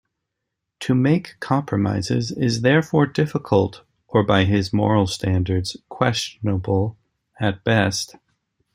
To make compromises is therefore difficult, or by his moral standards questionable at best.